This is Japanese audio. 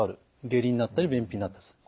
下痢になったり便秘になったりする。